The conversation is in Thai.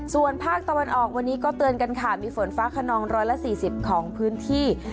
ส่วนภาคตะวันออกวันนี้ก็เตือนกันค่ะมีฝนฟ้าขนอง๑๔๐ของพื้นที่